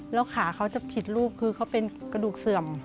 แล้วขาเขาจะผิดลูกคือเขาเป็นกระดูกเสื่อม